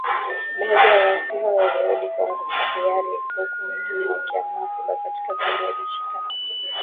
Baadhi ya waasi hao walirudi Kongo kwa hiari, huku wengine wakiamua kubaki katika kambi ya jeshi la Uganda ya Bihanga, magharibi mwa Uganda.